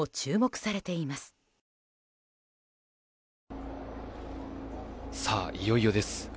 さあ、いよいよです。